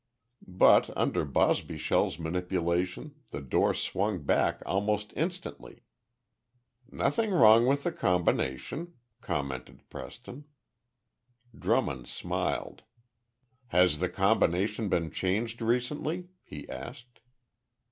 But, under Bosbyshell's manipulation, the door swung back almost instantly. "Nothing wrong with the combination," commented Preston. Drummond smiled. "Has the combination been changed recently?" he asked.